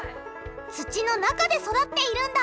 土の中で育っているんだ！